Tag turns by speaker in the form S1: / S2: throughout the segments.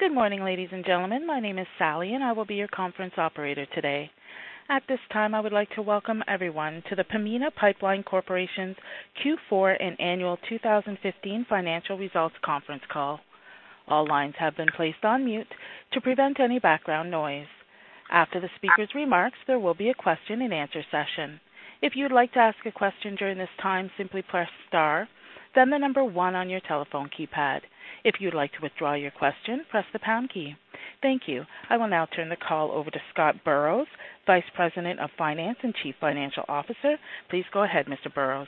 S1: Good morning, ladies and gentlemen. My name is Sally and I will be your conference operator today. At this time, I would like to Welcome everyone to the Pembina Pipeline Corporation's Q4 and annual 2015 financial results conference call. All lines have been placed on mute to prevent any background noise. After the speaker's remarks, there will be a question-and-answer session. If you'd like to ask a question during this time, simply press star, then the number one on your telephone keypad. If you'd like to withdraw your question, press the pound key. Thank you. I will now turn the call over to Scott Burrows, Vice President of Finance and Chief Financial Officer. Please go ahead, Mr. Burrows.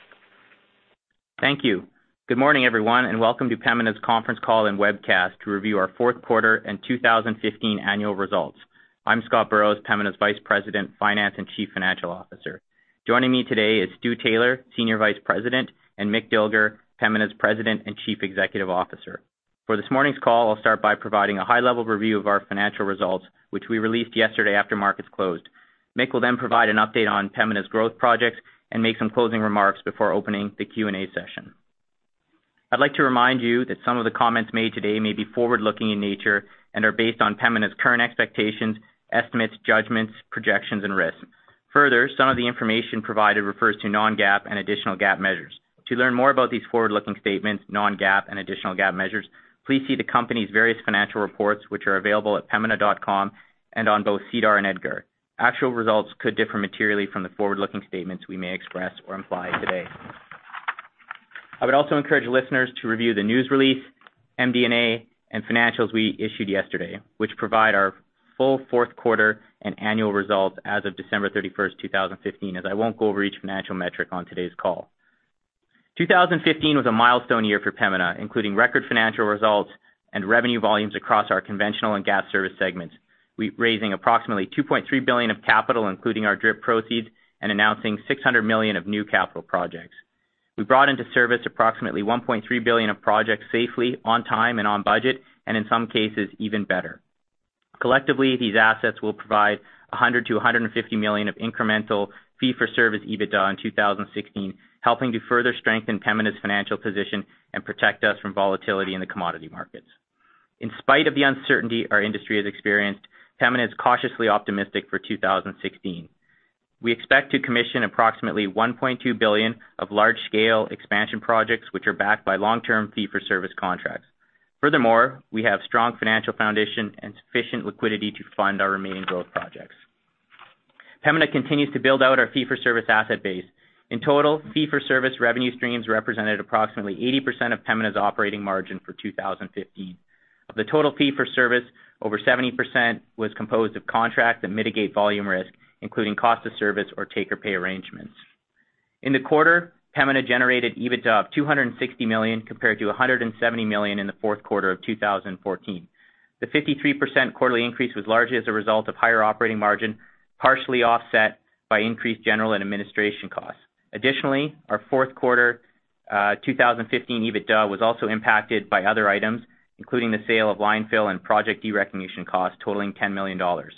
S2: Thank you. Good morning, everyone, and Welcome to Pembina's conference call and webcast to review our fourth quarter and 2015 annual results. I'm Scott Burrows, Pembina's Vice President of Finance and Chief Financial Officer. Joining me today is Stu Taylor, Senior Vice President, and Mick Dilger, Pembina's President and Chief Executive Officer. For this morning's call, I'll start by providing a high-level review of our financial results, which we released yesterday after markets closed. Mick will then provide an update on Pembina's growth projects and make some closing remarks before opening the Q&A session. I'd like to remind you that some of the comments made today may be forward-looking in nature and are based on Pembina's current expectations, estimates, judgments, projections, and risks. Further, some of the information provided refers to non-GAAP and additional GAAP measures. To learn more about these forward-looking statements, non-GAAP, and additional GAAP measures, please see the company's various financial reports, which are available at pembina.com and on both SEDAR and EDGAR. Actual results could differ materially from the forward-looking statements we may express or imply today. I would also encourage listeners to review the news release, MD&A, and financials we issued yesterday, which provide our full fourth quarter and annual results as of December 31st, 2015, as I won't go over each financial metric on today's call. 2015 was a milestone year for Pembina, including record financial results and revenue volumes across our conventional and gas service segments. We're raising approximately 2.3 billion of capital, including our DRIP proceeds, and announcing 600 million of new capital projects. We brought into service approximately 1.3 billion of projects safely on time and on budget, and in some cases, even better. Collectively, these assets will provide 100 million-150 million of incremental fee-for-service EBITDA in 2016, helping to further strengthen Pembina's financial position and protect us from volatility in the commodity markets. In spite of the uncertainty our industry has experienced, Pembina is cautiously optimistic for 2016. We expect to commission approximately 1.2 billion of large-scale expansion projects, which are backed by long-term fee-for-service contracts. Furthermore, we have strong financial foundation and sufficient liquidity to fund our remaining growth projects. Pembina continues to build out our fee-for-service asset base. In total, fee-for-service revenue streams represented approximately 80% of Pembina's operating margin for 2015. Of the total fee for service, over 70% was composed of contracts that mitigate volume risk, including cost of service or take-or-pay arrangements. In the quarter, Pembina generated EBITDA of 260 million compared to 170 million in the fourth quarter of 2014. The 53% quarterly increase was largely as a result of higher operating margin, partially offset by increased general and administration costs. Additionally, our fourth quarter 2015 EBITDA was also impacted by other items, including the sale of line fill and project derecognition costs totaling 10 million dollars.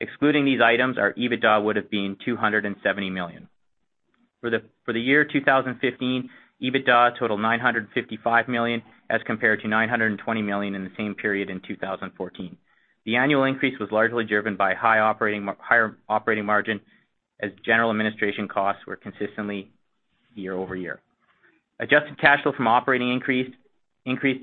S2: Excluding these items, our EBITDA would have been 270 million. For the year 2015, EBITDA totaled 955 million as compared to 920 million in the same period in 2014. The annual increase was largely driven by higher operating margin as general administration costs were consistently year over year. Adjusted cash flow from operating increased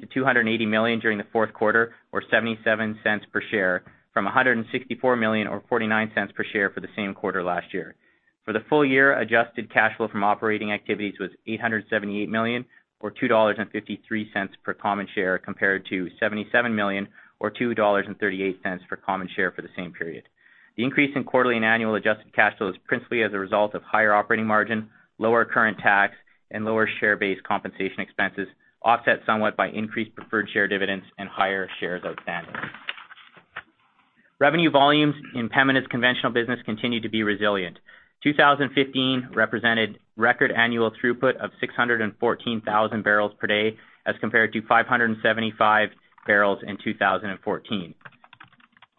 S2: to 280 million during the fourth quarter, or 0.77 per share, from 164 million or 0.49 per share for the same quarter last year. For the full year, adjusted cash flow from operating activities was 878 million or 2.53 dollars per common share compared to 777 million or 2.38 dollars per common share for the same period. The increase in quarterly and annual adjusted cash flow is principally as a result of higher operating margin, lower current tax, and lower share-based compensation expenses, offset somewhat by increased preferred share dividends and higher shares outstanding. Revenue volumes in Pembina's conventional business continued to be resilient. 2015 represented record annual throughput of 614,000bpd as compared to 575,000bbl in 2014.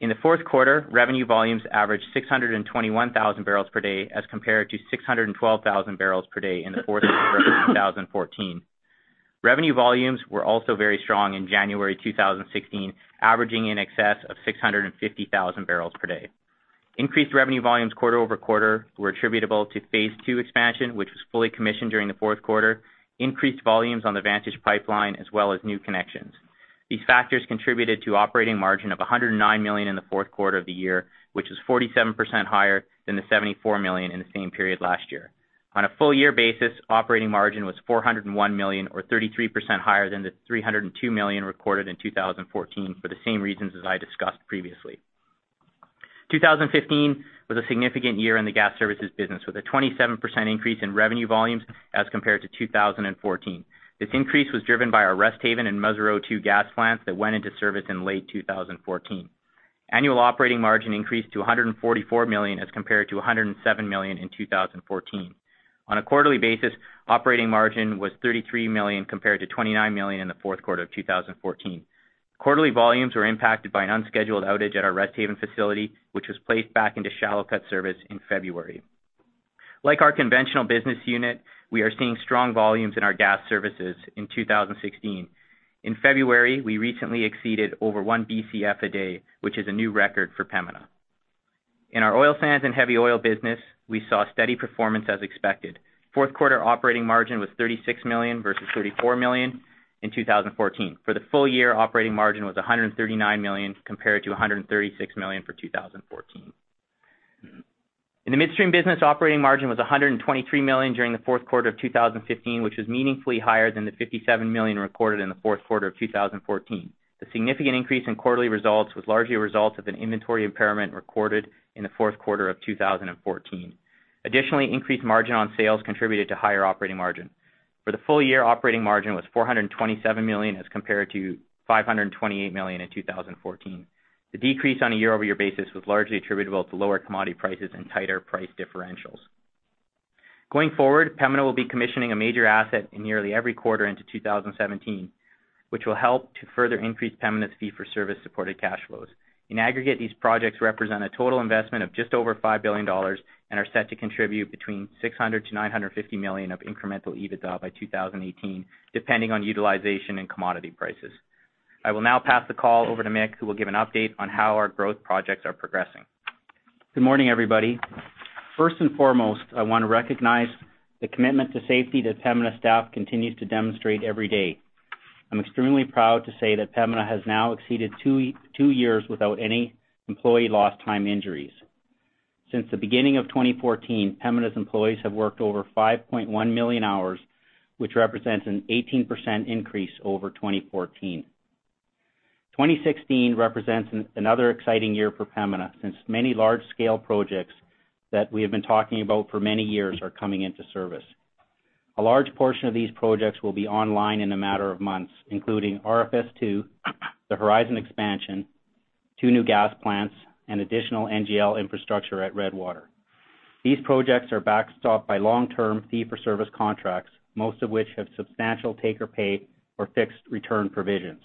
S2: In the fourth quarter, revenue volumes averaged 621,000bpd as compared to 612,000bpd in the fourth quarter of 2014. Revenue volumes were also very strong in January 2016, averaging in excess of 650,000bpd. Increased revenue volumes quarter-over-quarter were attributable to Phase II Expansion, which was fully commissioned during the fourth quarter, increased volumes on the Vantage Pipeline, as well as new connections. These factors contributed to operating margin of 109 million in the fourth quarter of the year, which is 47% higher than the 74 million in the same period last year. On a full year basis, operating margin was 401 million or 33% higher than the 302 million reported in 2014 for the same reasons as I discussed previously. 2015 was a significant year in the gas services business, with a 27% increase in revenue volumes as compared to 2014. This increase was driven by our Resthaven and Musreau II gas plants that went into service in late 2014. Annual operating margin increased to 144 million as compared to 107 million in 2014. On a quarterly basis, operating margin was 33 million compared to 29 million in the fourth quarter of 2014. Quarterly volumes were impacted by an unscheduled outage at our Resthaven facility, which was placed back into shallow cut service in February. Like our conventional business unit, we are seeing strong volumes in our gas services in 2016. In February, we recently exceeded over 1 Bcf a day, which is a new record for Pembina. In our oil sands and heavy oil business, we saw steady performance as expected. Fourth quarter operating margin was 36 million versus 34 million in 2014. For the full year, operating margin was CAD 139 million, compared to CAD 136 million for 2014. In the midstream business, operating margin was 123 million during the fourth quarter of 2015, which was meaningfully higher than the 57 million recorded in the fourth quarter of 2014. The significant increase in quarterly results was largely a result of an inventory impairment recorded in the fourth quarter of 2014. Additionally, increased margin on sales contributed to higher operating margin. For the full year, operating margin was 427 million as compared to 528 million in 2014. The decrease on a year-over-year basis was largely attributable to lower commodity prices and tighter price differentials. Going forward, Pembina will be commissioning a major asset in nearly every quarter into 2017, which will help to further increase Pembina's fee-for-service supported cash flows. In aggregate, these projects represent a total investment of just over 5 billion dollars and are set to contribute between 600 million-950 million of incremental EBITDA by 2018, depending on utilization and commodity prices. I will now pass the call over to Mick, who will give an update on how our growth projects are progressing.
S3: Good morning, everybody. First and foremost, I want to recognize the commitment to safety that Pembina's staff continues to demonstrate every day. I'm extremely proud to say that Pembina has now exceeded two years without any employee lost time injuries. Since the beginning of 2014, Pembina's employees have worked over 5.1 million hours, which represents an 18% increase over 2014. 2016 represents another exciting year for Pembina, since many large-scale projects that we have been talking about for many years are coming into service. A large portion of these projects will be online in a matter of months, including RFS II, the Horizon Expansion, two new gas plants, and additional NGL infrastructure at Redwater. These projects are backstopped by long-term fee-for-service contracts, most of which have substantial take-or-pay or fixed return provisions.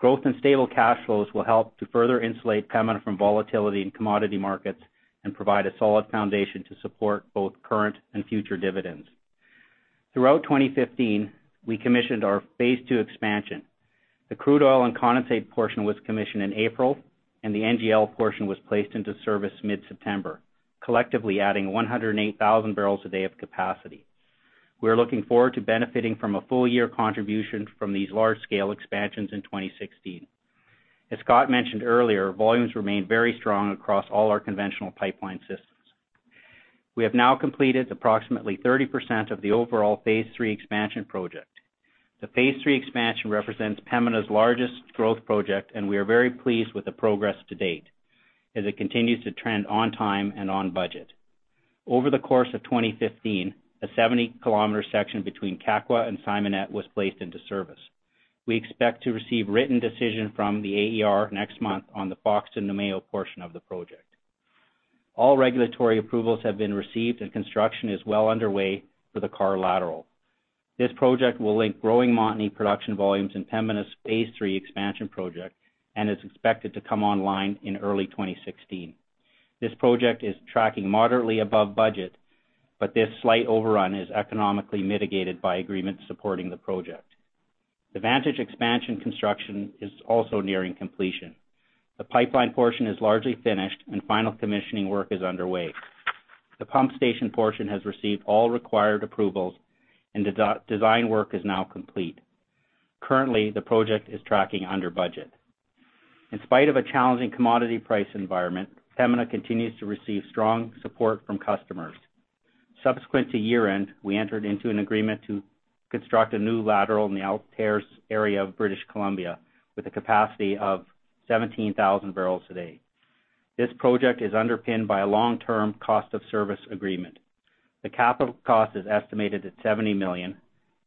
S3: Growth and stable cash flows will help to further insulate Pembina from volatility in commodity markets and provide a solid foundation to support both current and future dividends. Throughout 2015, we commissioned our Phase II Expansion. The crude oil and condensate portion was commissioned in April, and the NGL portion was placed into service mid-September, collectively adding 108,000bpd of capacity. We're looking forward to benefiting from a full year contribution from these large-scale expansions in 2016. As Scott mentioned earlier, volumes remain very strong across all our conventional pipeline systems. We have now completed approximately 30% of the overall Phase III Expansion project. The Phase III Expansion represents Pembina's largest growth project, and we are very pleased with the progress to date as it continues to trend on time and on budget. Over the course of 2015, a 70 km section between Kakwa and Simonette was placed into service. We expect to receive written decision from the AER next month on the Fox to Namao portion of the project. All regulatory approvals have been received, and construction is well underway for the Karr Lateral. This project will link growing Montney production volumes in Pembina's Phase III Expansion project and is expected to come online in early 2016. This project is tracking moderately above budget, but this slight overrun is economically mitigated by agreements supporting the project. The Vantage Expansion construction is also nearing completion. The pipeline portion is largely finished and final commissioning work is underway. The pump station portion has received all required approvals and design work is now complete. Currently, the project is tracking under budget. In spite of a challenging commodity price environment, Pembina continues to receive strong support from customers. Subsequent to year-end, we entered into an agreement to construct a new lateral in the Altares area of British Columbia with a capacity of 17,000bpd. This project is underpinned by a long-term cost of service agreement. The capital cost is estimated at 70 million,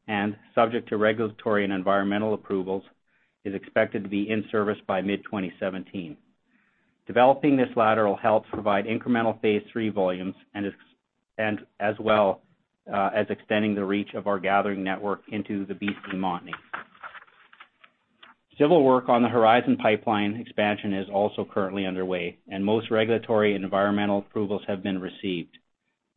S3: and subject to regulatory and environmental approvals, is expected to be in service by mid-2017. Developing this lateral helps provide incremental Phase III volumes and as well as extending the reach of our gathering network into the B.C. Montney. Civil work on the Horizon Expansion is also currently underway, and most regulatory and environmental approvals have been received.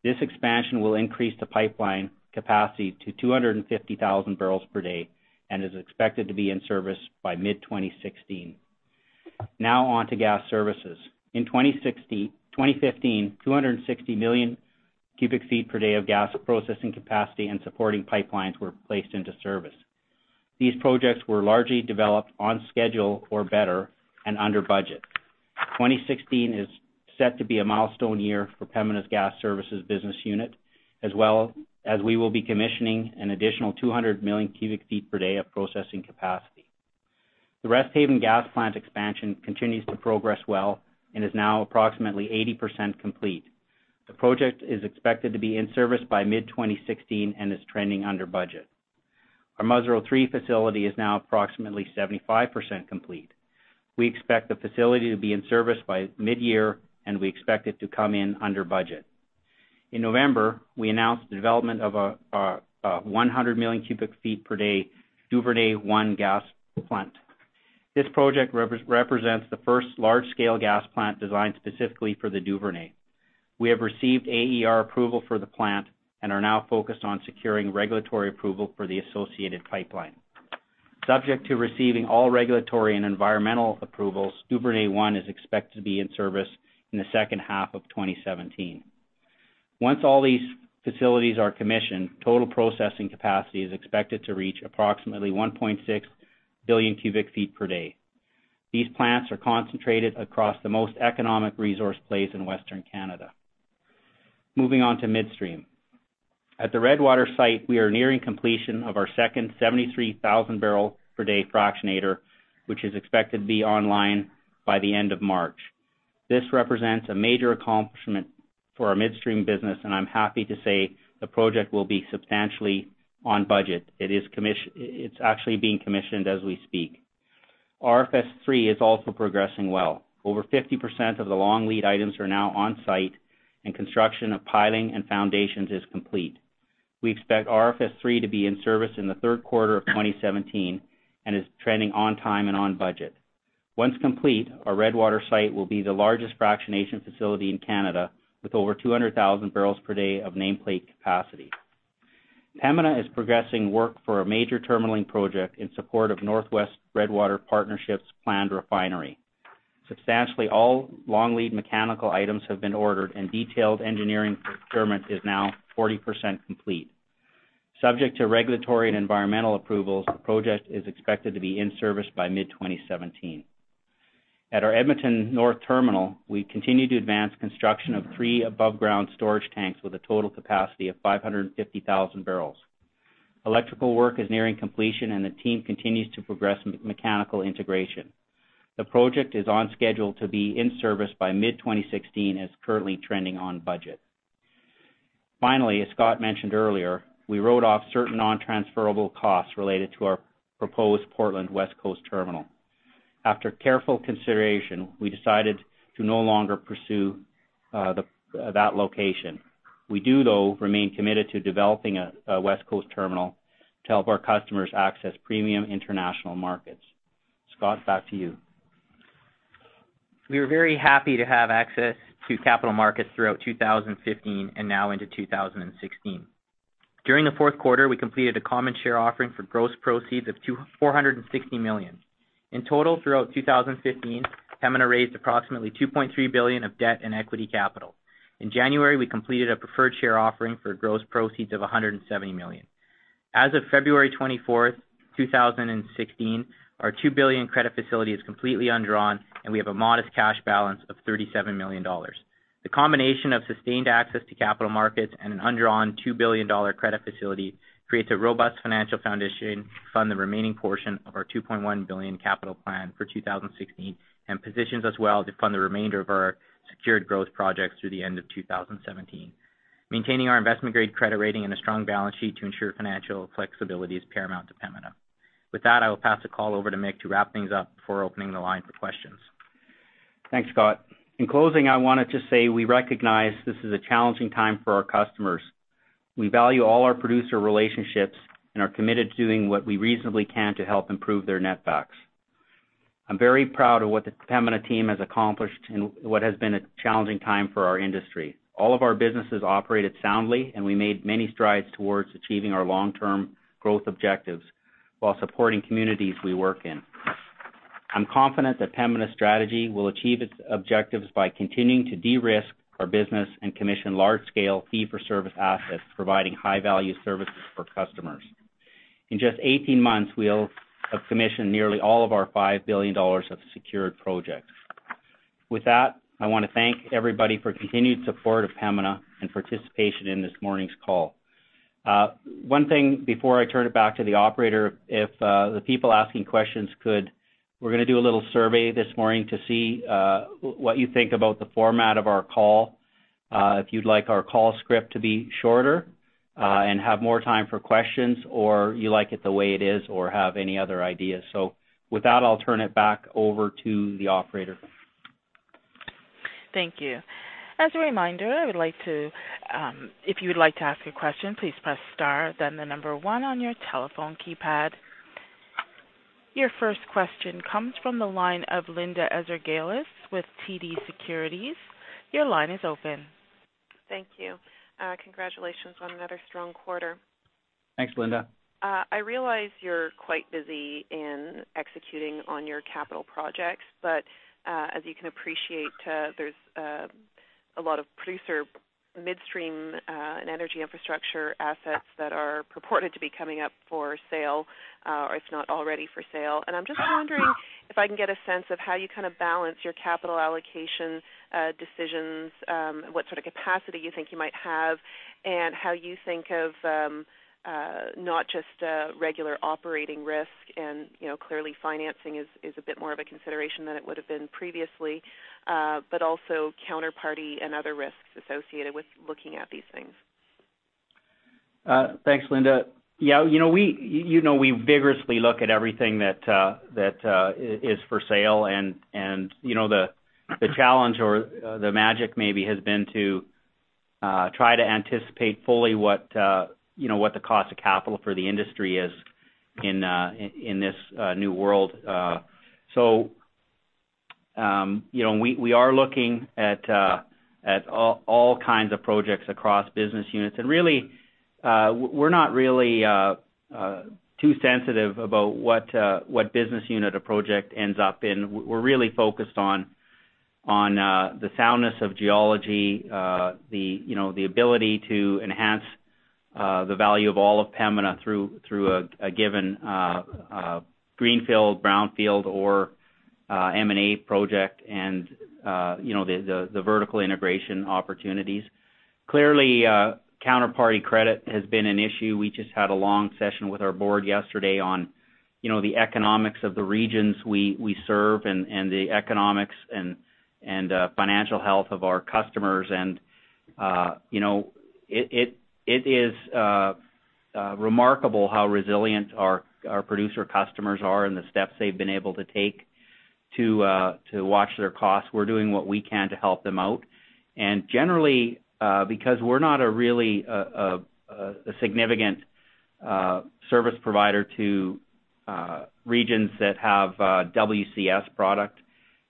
S3: This expansion will increase the pipeline capacity to 250,000bpd and is expected to be in service by mid-2016. Now on to gas services. In 2015, 260 million cu ft per day of gas processing capacity and supporting pipelines were placed into service. These projects were largely developed on schedule or better and under budget. 2016 is set to be a milestone year for Pembina's gas services business unit, as well as we will be commissioning an additional 200 million cu ft per day of processing capacity. The Resthaven gas plant expansion continues to progress well and is now approximately 80% complete. The project is expected to be in service by mid-2016 and is trending under budget. Our Musreau III facility is now approximately 75% complete. We expect the facility to be in service by mid-year, and we expect it to come in under budget. In November, we announced the development of a 100 million cu ft per day Duvernay I gas plant. This project represents the first large-scale gas plant designed specifically for the Duvernay. We have received AER approval for the plant and are now focused on securing regulatory approval for the associated pipeline. Subject to receiving all regulatory and environmental approvals, Duvernay I is expected to be in service in the second half of 2017. Once all these facilities are commissioned, total processing capacity is expected to reach approximately 1.6 billion cu ft per day. These plants are concentrated across the most economic resource plays in Western Canada. Moving on to midstream. At the Redwater site, we are nearing completion of our second 73,000bpd fractionator, which is expected to be online by the end of March. This represents a major accomplishment for our midstream business, and I'm happy to say the project will be substantially on budget. It's actually being commissioned as we speak. RFS III is also progressing well. Over 50% of the long lead items are now on site, and construction of piling and foundations is complete. We expect RFS III to be in service in the third quarter of 2017 and is trending on time and on budget. Once complete, our Redwater site will be the largest fractionation facility in Canada, with over 200,000bpd of nameplate capacity. Pembina is progressing work for a major terminalling project in support of North West Redwater Partnership's planned refinery. Substantially all long lead mechanical items have been ordered, and detailed engineering procurement is now 40% complete. Subject to regulatory and environmental approvals, the project is expected to be in service by mid-2017. At our Edmonton North Terminal, we continue to advance construction of three above-ground storage tanks with a total capacity of 550,000bbl. Electrical work is nearing completion, and the team continues to progress mechanical integration. The project is on schedule to be in service by mid-2016 and is currently trending on budget. Finally, as Scott mentioned earlier, we wrote off certain non-transferable costs related to our proposed Portland West Coast Terminal. After careful consideration, we decided to no longer pursue that location. We do, though, remain committed to developing a West Coast Terminal to help our customers access premium international markets. Scott, back to you.
S2: We are very happy to have access to capital markets throughout 2015 and now into 2016. During the fourth quarter, we completed a common share offering for gross proceeds of 460 million. In total, throughout 2015, Pembina raised approximately 2.3 billion of debt and equity capital. In January, we completed a preferred share offering for gross proceeds of 170 million. As of February 24th, 2016, our 2 billion credit facility is completely undrawn, and we have a modest cash balance of 37 million dollars. The combination of sustained access to capital markets and an undrawn 2 billion dollar credit facility creates a robust financial foundation to fund the remaining portion of our 2.1 billion capital plan for 2016 and positions us well to fund the remainder of our secured growth projects through the end of 2017. Maintaining our investment-grade credit rating and a strong balance sheet to ensure financial flexibility is paramount to Pembina. With that, I will pass the call over to Mick to wrap things up before opening the line for questions.
S3: Thanks, Scott. In closing, I wanted to say we recognize this is a challenging time for our customers. We value all our producer relationships and are committed to doing what we reasonably can to help improve their netbacks. I'm very proud of what the Pembina team has accomplished in what has been a challenging time for our industry. All of our businesses operated soundly, and we made many strides towards achieving our long-term growth objectives while supporting communities we work in. I'm confident that Pembina's strategy will achieve its objectives by continuing to de-risk our business and commission large-scale fee-for-service assets, providing high-value services for customers. In just 18 months, we'll have commissioned nearly all of our 5 billion dollars of secured projects. With that, I want to thank everybody for continued support of Pembina and participation in this morning's call. One thing before I turn it back to the operator. If the people asking question could, we're going to do a little survey this morning to see what you think about the format of our call. If you'd like our call script to be shorter and have more time for questions, or you like it the way it is, or have any other ideas. With that, I'll turn it back over to the operator.
S1: Thank you. As a reminder, if you would like to ask a question, please press star, then the number one on your telephone keypad. Your first question comes from the line of Linda Ezergailis with TD Securities. Your line is open.
S4: Thank you. Congratulations on another strong quarter.
S3: Thanks, Linda.
S4: I realize you're quite busy in executing on your capital projects, but, as you can appreciate, there's a lot of producer midstream and energy infrastructure assets that are purported to be coming up for sale or if not already for sale. I'm just wondering if I can get a sense of how you kind of balance your capital allocation decisions what sort of capacity you think you might have and how you think of, not just regular operating risk, and clearly financing is a bit more of a consideration than it would've been previously, but also counterparty and other risks associated with looking at these things.
S3: Thanks, Linda. Yeah, we vigorously look at everything that is for sale, and the challenge or the magic maybe has been to try to anticipate fully what the cost of capital for the industry is in this new world. We are looking at all kinds of projects across business units. Really, we're not really too sensitive about what business unit a project ends up in. We're really focused on the soundness of geology, the ability to enhance the value of all of Pembina through a given greenfield, brownfield or M&A project and the vertical integration opportunities. Clearly, counterparty credit has been an issue. We just had a long session with our board yesterday on the economics of the regions we serve and the economics and financial health of our customers. It is remarkable how resilient our producer customers are and the steps they've been able to take to watch their costs. We're doing what we can to help them out. Generally, because we're not a really significant service provider to regions that have WCS product,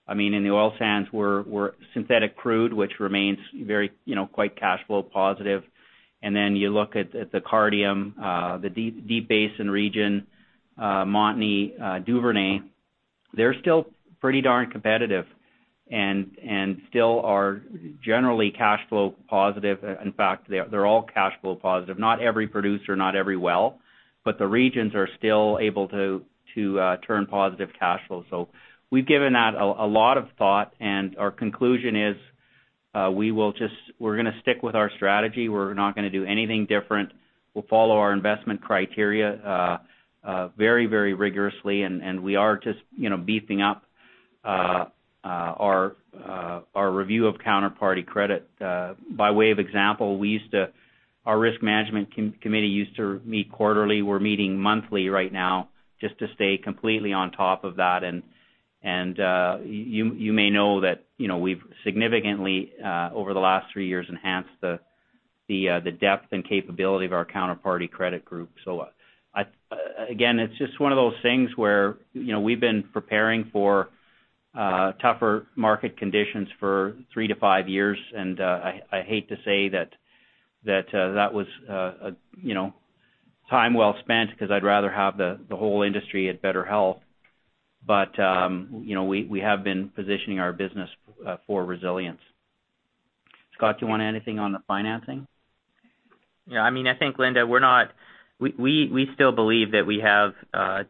S3: in the oil sands we're synthetic crude, which remains quite cash flow positive. Then you look at the Cardium, the Deep Basin region, Montney, Duvernay, they're still pretty darn competitive and still are generally cash flow positive. In fact, they're all cash flow positive. Not every producer, not every well, but the regions are still able to turn positive cash flow. We've given that a lot of thought, and our conclusion is we're going to stick with our strategy. We're not going to do anything different. We'll follow our investment criteria very rigorously. We are just beefing up our review of counterparty credit. By way of example, our risk management committee used to meet quarterly. We're meeting monthly right now just to stay completely on top of that. You may know that we've significantly, over the last three years, enhanced the depth and capability of our counterparty credit group. Again, it's just one of those things where we've been preparing for tougher market conditions for three to five years. I hate to say that that was time well spent because I'd rather have the whole industry at better health. We have been positioning our business for resilience. Scott, do you want to add anything on the financing?
S2: Yeah, I think, Linda, we still believe that we have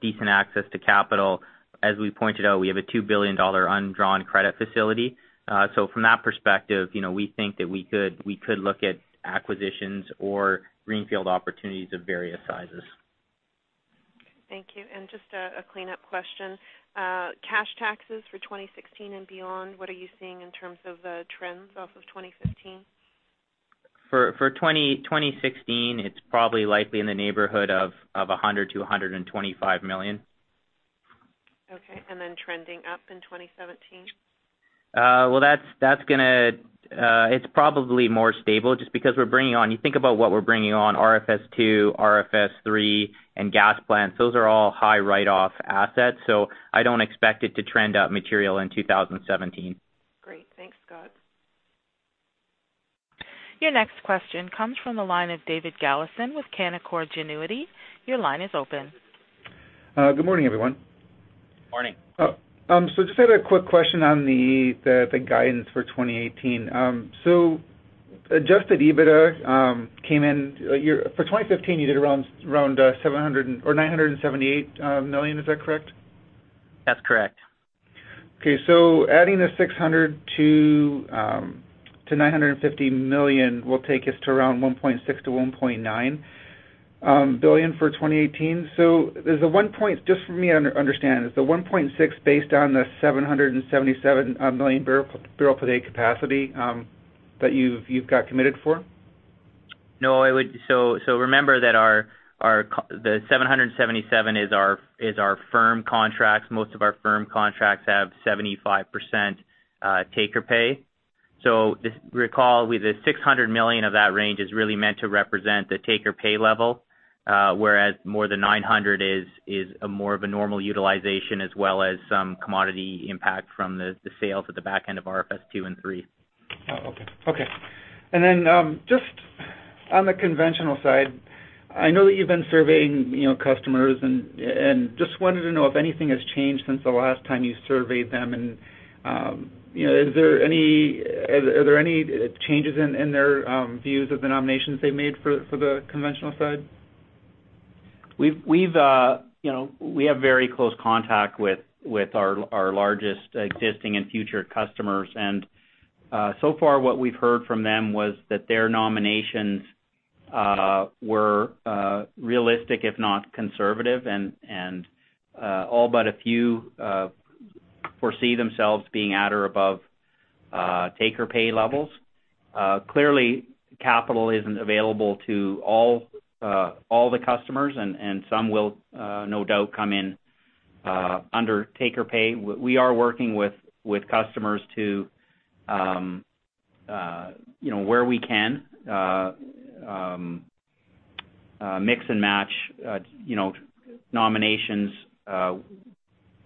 S2: decent access to capital. As we pointed out, we have a 2 billion dollar undrawn credit facility. From that perspective, we think that we could look at acquisitions or greenfield opportunities of various sizes.
S4: Thank you. Just a cleanup question. Cash taxes for 2016 and beyond, what are you seeing in terms of trends off of 2015?
S2: For 2016, it's probably likely in the neighborhood of 100 million-125 million.
S4: Okay. Trending up in 2017?
S2: It's probably more stable just because you think about what we're bringing on RFS II, RFS III, and gas plants. Those are all high write-off assets. I don't expect it to trend up material in 2017.
S4: Great. Thanks, Scott.
S1: Your next question comes from the line of David Galison with Canaccord Genuity. Your line is open.
S5: Good morning, everyone.
S3: Morning.
S5: Just had a quick question on the guidance for 2018. Adjusted EBITDA came in for 2015, you did around 978 million. Is that correct?
S2: That's correct.
S5: Adding the 600 million-950 million will take us to around 1.6 billion-1.9 billion for 2018. Just for me to understand, is the 1.6 based on the 777MMbpd capacity that you've got committed for?
S3: No. Remember that the 777MMbpd is our firm contracts. Most of our firm contracts have 75% take-or-pay. Recall, the 600 million of that range is really meant to represent the take-or-pay level, whereas more than 900 is more of a normal utilization as well as some commodity impact from the sales at the back end of RFS II and RFS III.
S5: Oh, okay. Then just on the conventional side, I know that you've been surveying customers and just wanted to know if anything has changed since the last time you surveyed them. Are there any changes in their views of the nominations they made for the conventional side?
S3: We have very close contact with our largest existing and future customers. So far what we've heard from them was that their nominations were realistic, if not conservative, and all but a few foresee themselves being at or above take-or-pay levels. Clearly, capital isn't available to all the customers, and some will no doubt come in under take-or-pay. We are working with customers to where we can, mix and match nominations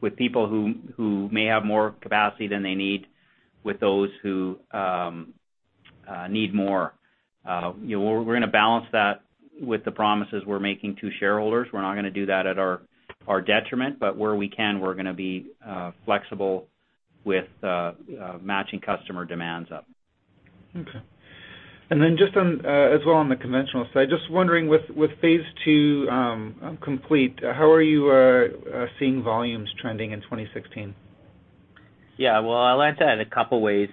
S3: with people who may have more capacity than they need, with those who need more. We're going to balance that with the promises we're making to shareholders. We're not going to do that at our detriment, but where we can, we're going to be flexible with matching customer demands up.
S5: Okay. Just on, as well on the conventional side, just wondering with Phase II Expansion complete, how are you seeing volumes trending in 2016?
S3: Yeah. Well, I'll answer that in a couple of ways,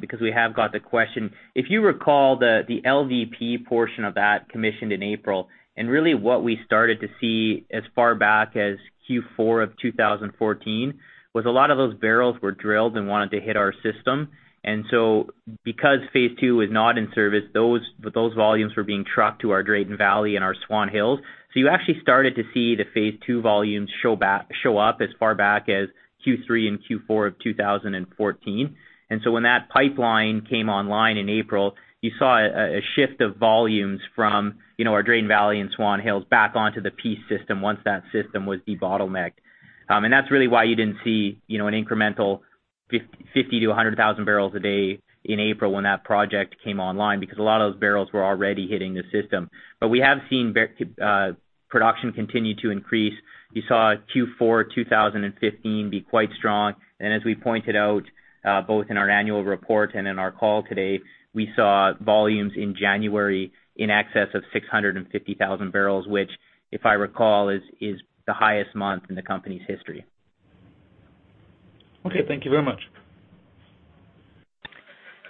S3: because we have got the question. If you recall the LVP portion of that commissioned in April, and really what we started to see as far back as Q4 of 2014, was a lot of those barrels were drilled and wanted to hit our system. Because Phase II Expansion was not in service, those volumes were being trucked to our Drayton Valley and our Swan Hills. You actually started to see the Phase II Expansion volumes show up as far back as Q3 and Q4 of 2014. When that pipeline came online in April, you saw a shift of volumes from our Drayton Valley and Swan Hills back onto the Peace system once that system was debottlenecked. That's really why you didn't see an incremental 50,000-100,000bpd in April when that project came online, because a lot of those barrels were already hitting the system. We have seen production continue to increase. You saw Q4 2015 be quite strong. As we pointed out, both in our annual report and in our call today, we saw volumes in January in excess of 650,000bbl, which, if I recall, is the highest month in the company's history.
S5: Okay. Thank you very much.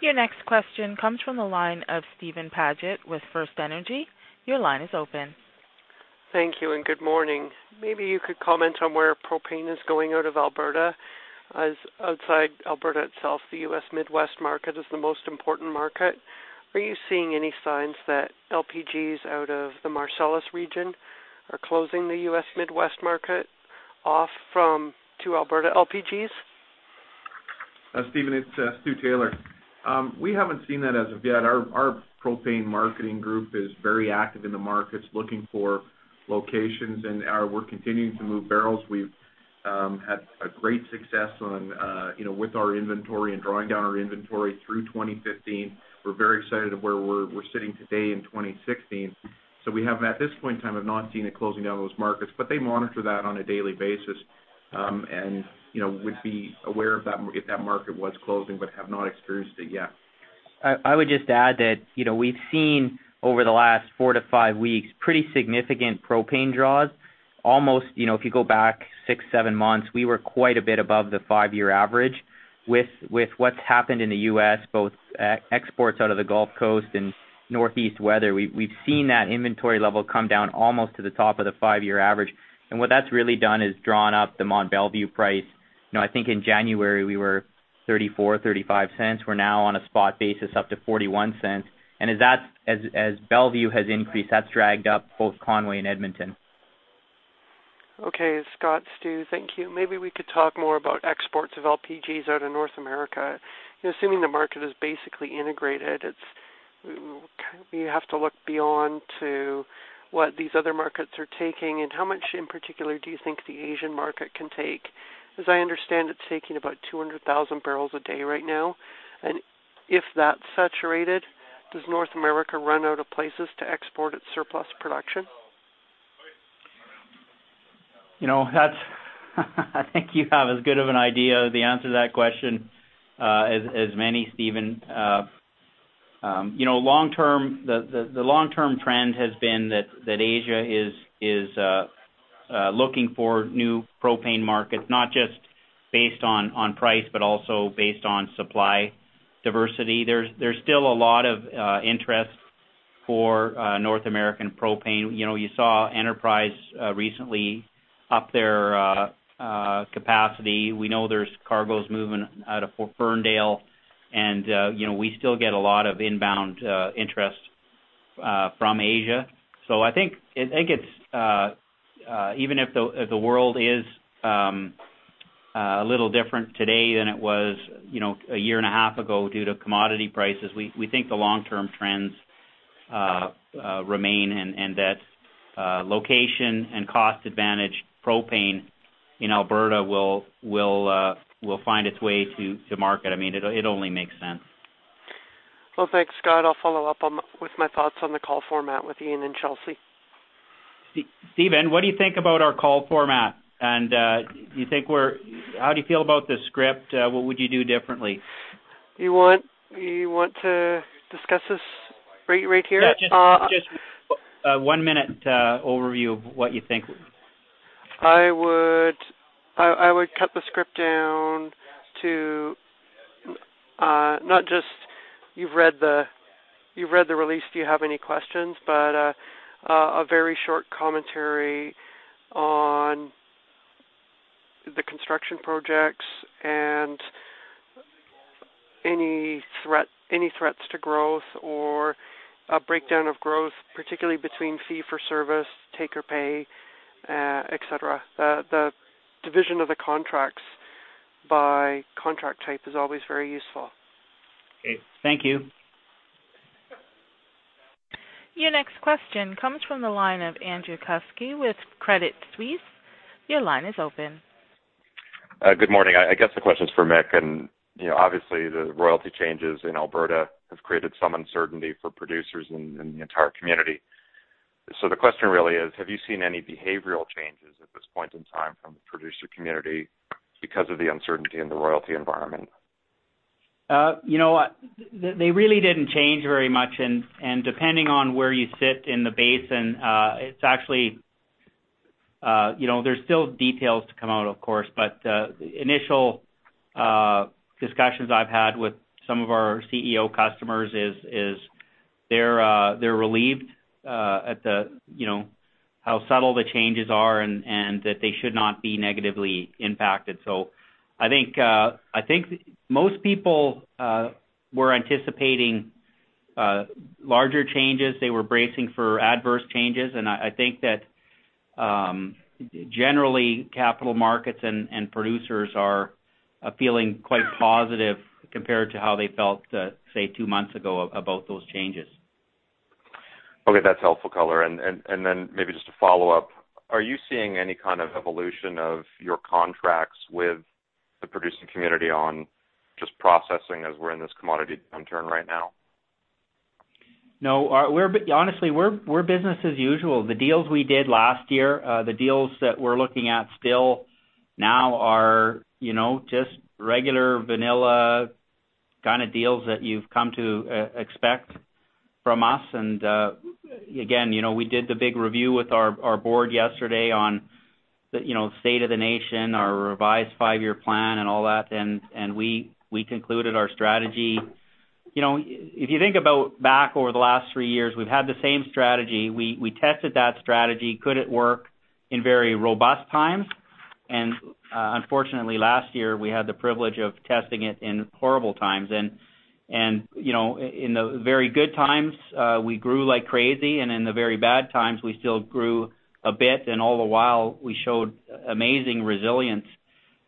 S1: Your next question comes from the line of Steven Paget with FirstEnergy Capital. Your line is open.
S6: Thank you and good morning. Maybe you could comment on where propane is going out of Alberta, as outside Alberta itself, the U.S. Midwest market is the most important market. Are you seeing any signs that LPGs out of the Marcellus region are closing the U.S. Midwest market off to Alberta LPGs?
S7: Steven, it's Stu Taylor. We haven't seen that as of yet. Our propane marketing group is very active in the markets, looking for locations, and we're continuing to move barrels. We've had a great success with our inventory and drawing down our inventory through 2015. We're very excited about where we're sitting today in 2016. We have, at this point in time, not seen a closing down of those markets, but they monitor that on a daily basis. They would be aware if that market was closing, but have not experienced it yet.
S2: I would just add that we've seen over the last four to five weeks pretty significant propane draws. Almost, if you go back six, seven months, we were quite a bit above the five-year average. With what's happened in the U.S., both exports out of the Gulf Coast and Northeast weather, we've seen that inventory level come down almost to the top of the five-year average. What that's really done is drawn up the Mont Belvieu price. I think in January we were 0.34- 0.35. We're now on a spot basis up to 0.41. As Belvieu has increased, that's dragged up both Conway and Edmonton.
S6: Okay. Scott, Stu, thank you. Maybe we could talk more about exports of LPGs out of North America. Assuming the market is basically integrated, we have to look beyond to what these other markets are taking. How much in particular do you think the Asian market can take? As I understand, it's taking about 200,000bpd right now. If that's saturated, does North America run out of places to export its surplus production?
S2: I think you have as good of an idea of the answer to that question as many, Steven. The long-term trend has been that Asia is looking for new propane markets, not just based on price, but also based on supply diversity. There's still a lot of interest for North American propane. You saw Enterprise recently upped their capacity. We know there's cargoes moving out of Ferndale. We still get a lot of inbound interest from Asia. I think, even if the world is a little different today than it was a year and a half ago due to commodity prices, we think the long-term trends remain and that location and cost-advantaged propane in Alberta will find its way to market. It only makes sense.
S6: Well, thanks, Scott. I'll follow up with my thoughts on the call format with Ian and Chelsea.
S2: Steven, what do you think about our call format? How do you feel about the script? What would you do differently?
S6: You want to discuss this right here?
S2: Yeah. Just a one-minute overview of what you think.
S6: I would cut the script down to not just, "You've read the release. Do you have any questions?" but a very short commentary on the construction projects and any threats to growth or a breakdown of growth, particularly between fee for service, take or pay, et cetera. The division of the contracts by contract type is always very useful.
S2: Okay, thank you.
S1: Your next question comes from the line of Andrew Kuske with Credit Suisse. Your line is open.
S8: Good morning. I guess the question's for Mick. Obviously, the royalty changes in Alberta have created some uncertainty for producers in the entire community. The question really is, have you seen any behavioral changes at this point in time from the producer community because of the uncertainty in the royalty environment?
S3: They really didn't change very much, and depending on where you sit in the basin, there's still details to come out, of course, but the initial discussions I've had with some of our CEO customers is they're relieved at how subtle the changes are and that they should not be negatively impacted. I think most people were anticipating larger changes. They were bracing for adverse changes. I think that, generally, capital markets and producers are feeling quite positive compared to how they felt, say, two months ago about those changes.
S8: Okay. That's helpful color. Maybe just a follow-up, are you seeing any kind of evolution of your contracts with the producing community on just processing as we're in this commodity downturn right now?
S3: No. Honestly, we're business as usual. The deals we did last year, the deals that we're looking at still now are just regular vanilla kind of deals that you've come to expect from us. Again, we did the big review with our board yesterday on the state of the nation, our revised five-year plan and all that, and we concluded our strategy. If you think about back over the last three years, we've had the same strategy. We tested that strategy. Could it work in very robust times? Unfortunately, last year, we had the privilege of testing it in horrible times. In the very good times, we grew like crazy, and in the very bad times, we still grew a bit, and all the while, we showed amazing resilience.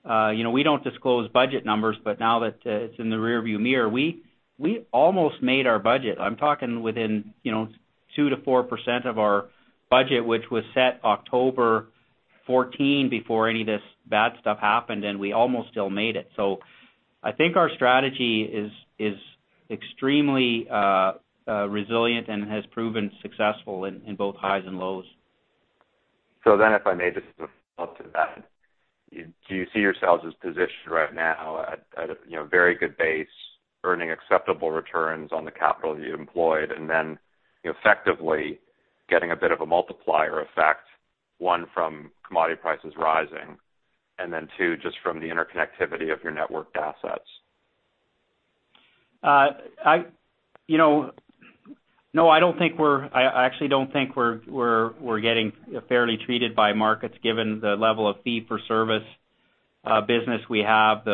S3: We don't disclose budget numbers, but now that it's in the rear-view mirror, we almost made our budget. I'm talking within 2%-4% of our budget, which was set October 14, before any of this bad stuff happened, and we almost still made it. I think our strategy is extremely resilient and has proven successful in both highs and lows.
S8: If I may just follow up to that, do you see yourselves as positioned right now at a very good base, earning acceptable returns on the capital you employed and then effectively getting a bit of a multiplier effect, one from commodity prices rising, and then two, just from the interconnectivity of your networked assets?
S3: No, I actually don't think we're getting fairly treated by markets given the level of fee for service business we have.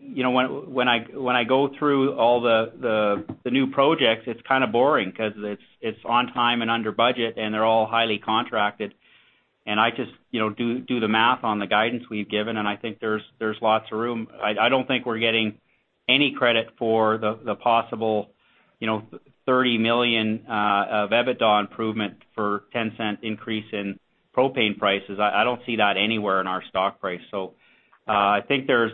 S3: When I go through all the new projects, it's kind of boring because it's on time and under budget, and they're all highly contracted. I just do the math on the guidance we've given, and I think there's lots of room. I don't think we're getting any credit for the possible 30 million of EBITDA improvement for 0.10 increase in propane prices. I don't see that anywhere in our stock price. I think there's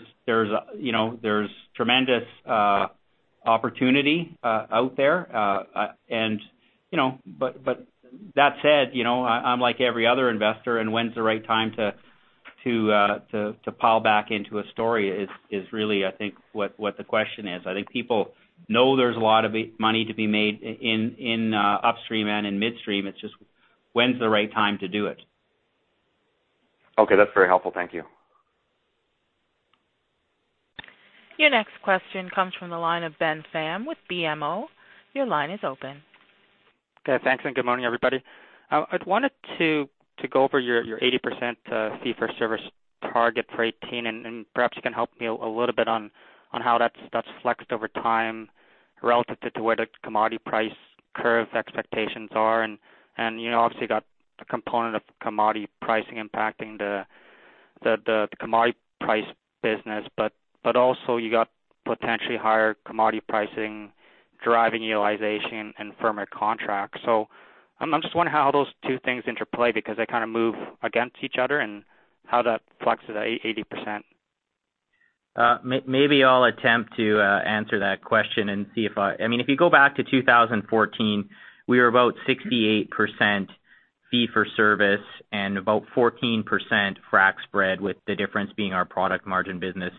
S3: tremendous opportunity out there. That said, I'm like every other investor, and when's the right time to pile back into a story is really, I think, what the question is. I think people know there's a lot of money to be made in upstream and in midstream. It's just when's the right time to do it.
S8: Okay. That's very helpful. Thank you.
S1: Your next question comes from the line of Ben Pham with BMO. Your line is open.
S9: Okay. Thanks, and good morning, everybody. I wanted to go over your 80% fee for service target for 2018, and perhaps you can help me a little bit on how that's flexed over time relative to where the commodity price curve expectations are. Obviously, you got a component of commodity pricing impacting the commodity price business. Also you got potentially higher commodity pricing driving utilization and firmer contracts. I'm just wondering how those two things interplay because they kind of move against each other and how that flexes at 80%.
S2: If you go back to 2014, we were about 68% fee for service and about 14% frac spread, with the difference being our product margin business.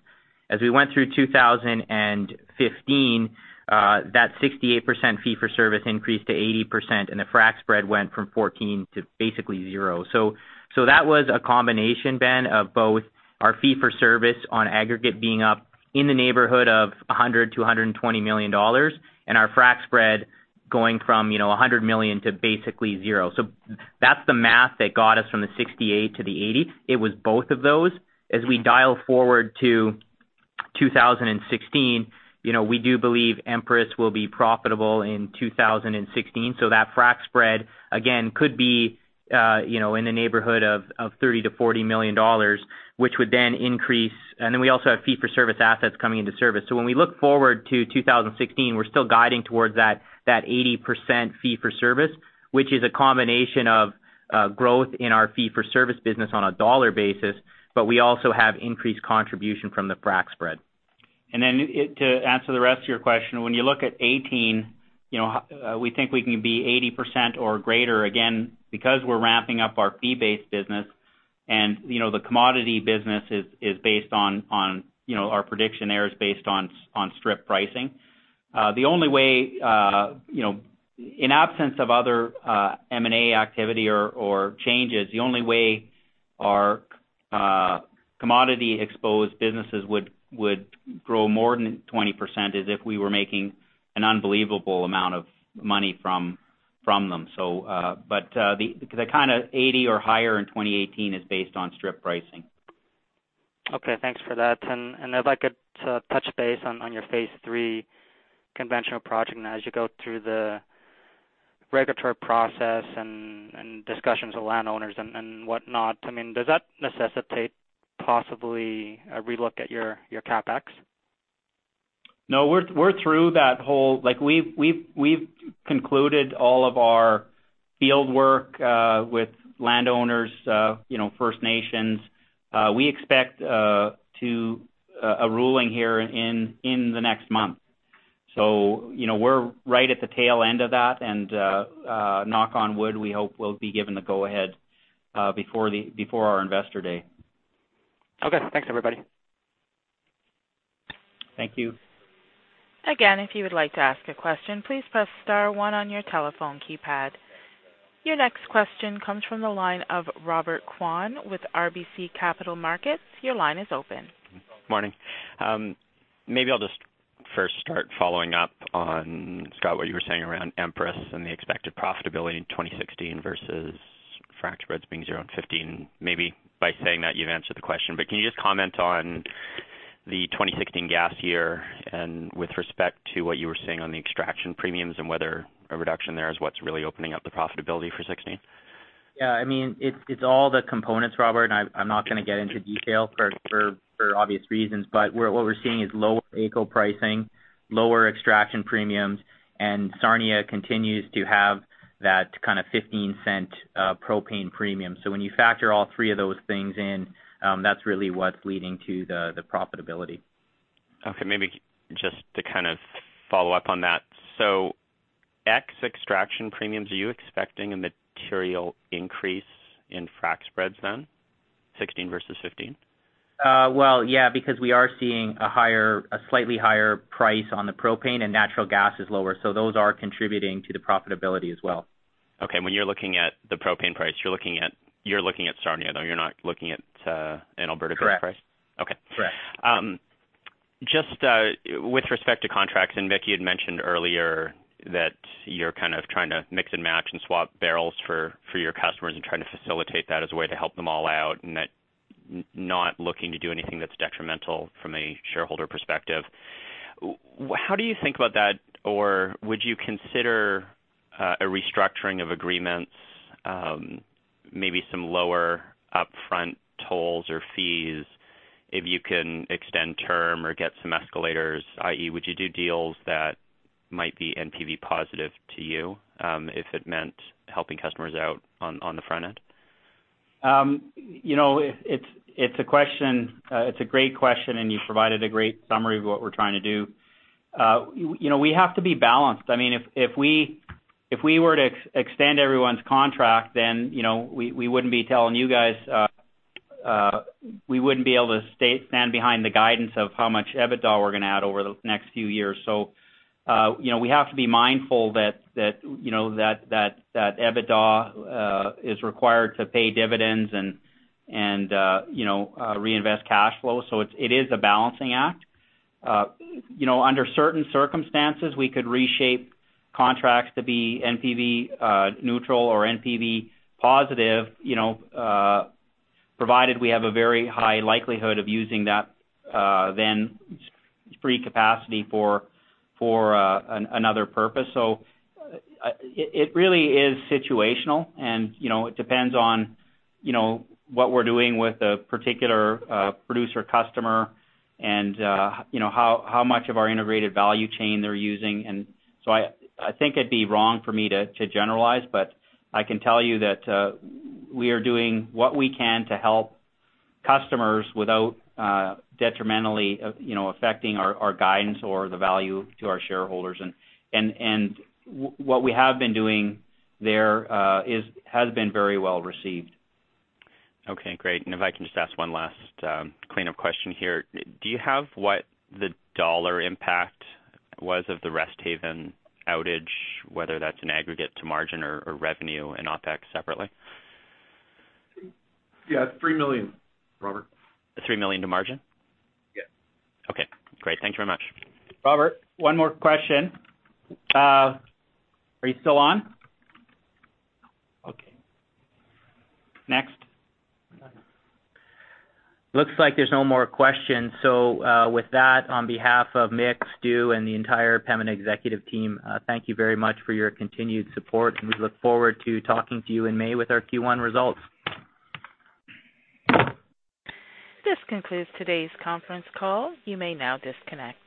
S2: As we went through 2015, that 68% fee for service increased to 80%, and the frac spread went from 14% to basically zero. That was a combination, Ben, of both our fee for service on aggregate being up in the neighborhood of 100 million-120 million dollars and our frac spread Going from 100 million to basically zero. That's the math that got us from 68% to 80%. It was both of those. As we dial forward to 2016, we do believe Empress will be profitable in 2016. That frac spread again could be in the neighborhood of 30 million-40 million dollars, which would then increase. We also have fee-for-service assets coming into service. When we look forward to 2016, we're still guiding towards that 80% fee-for-service, which is a combination of growth in our fee-for-service business on a dollar basis. We also have increased contribution from the frac spread. To answer the rest of your question, when you look at 2018, we think we can be 80% or greater again, because we're ramping up our fee-based business. The commodity business is based on our prediction errors based on strip pricing. In absence of other M&A activity or changes, the only way our commodity exposed businesses would grow more than 20% is if we were making an unbelievable amount of money from them. The kind of 80% or higher in 2018 is based on strip pricing.
S9: Okay, thanks for that. I'd like to touch base on your Phase III conventional project now as you go through the regulatory process and discussions with landowners and whatnot. Does that necessitate possibly a re-look at your CapEx?
S3: No, we've concluded all of our field work, with landowners, First Nations. We expect a ruling here in the next month. We're right at the tail end of that. Knock on wood, we hope we'll be given the go ahead before our investor day.
S9: Okay, thanks everybody.
S3: Thank you.
S1: Again, if you would like to ask a question, please press star one on your telephone keypad. Your next question comes from the line of Robert Kwan with RBC Capital Markets. Your line is open.
S10: Morning. Maybe I'll just first start following up on, Scott, what you were saying around Empress and the expected profitability in 2016 versus frac spreads being zero in 2015. Maybe by saying that you've answered the question. Can you just comment on the 2016 gas year and with respect to what you were saying on the extraction premiums and whether a reduction there is what's really opening up the profitability for 2016?
S2: Yeah, it's all the components, Robert, and I'm not going to get into detail for obvious reasons. What we're seeing is lower AECO pricing, lower extraction premiums, and Sarnia continues to have that kind of 0.15 propane premium. When you factor all three of those things in, that's really what's leading to the profitability.
S10: Okay. Maybe just to kind of follow up on that. Ex extraction premiums, are you expecting a material increase in frac spreads then, 2016 versus 2015?
S2: Well, yeah, because we are seeing a slightly higher price on the propane and natural gas is lower. Those are contributing to the profitability as well.
S10: Okay. When you're looking at the propane price, you're looking at Sarnia, though you're not looking at an Alberta-based price?
S2: Correct.
S10: Okay.
S2: Correct.
S10: Just with respect to contracts, and Mick, you'd mentioned earlier that you're kind of trying to mix and match and swap barrels for your customers and trying to facilitate that as a way to help them all out, and that you're not looking to do anything that's detrimental from a shareholder perspective. How do you think about that? Or would you consider a restructuring of agreements, maybe some lower upfront tolls or fees if you can extend term or get some escalators, i.e. would you do deals that might be NPV positive to you, if it meant helping customers out on the front end?
S3: It's a great question and you provided a great summary of what we're trying to do. We have to be balanced. If we were to extend everyone's contract, then we wouldn't be able to stand behind the guidance of how much EBITDA we're going to add over the next few years. We have to be mindful that EBITDA is required to pay dividends and reinvest cash flow. It is a balancing act. Under certain circumstances, we could reshape contracts to be NPV neutral or NPV positive, provided we have a very high likelihood of using that then free capacity for another purpose. It really is situational and it depends on what we're doing with a particular producer customer and how much of our integrated value chain they're using. I think it'd be wrong for me to generalize, but I can tell you that we are doing what we can to help customers without detrimentally affecting our guidance or the value to our shareholders. What we have been doing there has been very well received.
S10: Okay, great. If I can just ask one last cleanup question here. Do you have what the dollar impact was of the Resthaven outage, whether that's in aggregate to margin or revenue and OpEx separately?
S7: Yeah. 3 million, Robert.
S10: 3 million to margin?
S7: Yes.
S10: Okay, great. Thank you very much.
S2: Robert, one more question. Are you still on? Okay. Next. Looks like there's no more questions. With that, on behalf of Mick, Stu, and the entire Pembina executive team, thank you very much for your continued support, and we look forward to talking to you in May with our Q1 results.
S1: This concludes today's conference call. You may now disconnect.